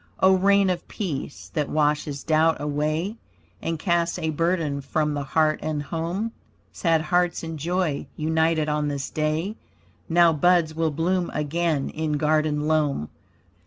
O rain of peace, that washes doubt away, And casts a burden from the heart and home. Sad hearts in joy united on this day; Now buds will bloom again in garden loam.